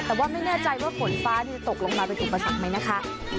แต่ว่าไม่ง่าใจว่าผลฟ้าจะตกลงมาวิธีประสักไหมนะคะ